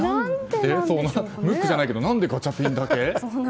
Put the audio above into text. ムックじゃないけど何でガチャピンだけ？